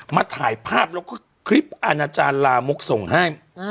มาถ่ายภาพแล้วก็คลิปอาณาจารย์ลามกส่งให้